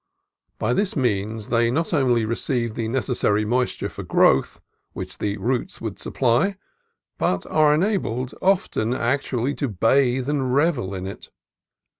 By this means they not only re ceive the necessary moisture for growth, which the roots would supply, but are enabled often actually to bathe and revel in it.